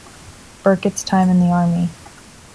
Burkett's time in the Army.